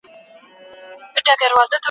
د ميرمنې نفقه باید د کوم کفایت په اندازه وي؟